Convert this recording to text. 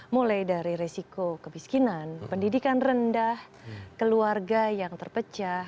mulai dari resiko kemiskinan pendidikan rendah keluarga yang terpecah